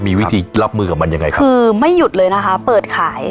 มีวิธีรับมือกับมันยังไงครับคือไม่หยุดเลยนะคะเปิดขาย